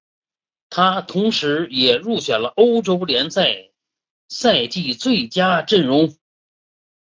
他同时也入选了欧洲联赛的赛季最佳阵容。